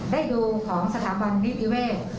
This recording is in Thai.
ได้ดูของสถาบันนิติเวศ